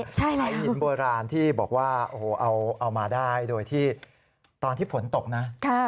ไอ้หินโบราณที่บอกว่าโอ้โหเอามาได้โดยที่ตอนที่ฝนตกนะ